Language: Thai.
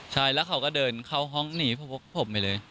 ใช่แล้วเขาก็เดินเข้าห้องหนีพวกผมไปเลย